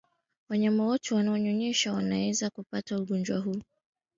Wanyama wote wanaonyonyesha wanaweza kuapata ugonjwa huu